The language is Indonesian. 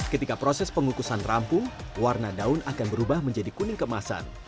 ketika proses pengukusan rampung warna daun akan berubah menjadi kuning kemasan